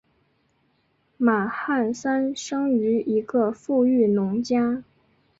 马汉三生于一个富裕农家。